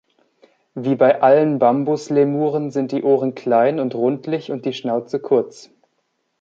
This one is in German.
Wie bei allen Bambuslemuren sind die Ohren klein und rundlich und die Schnauze kurz.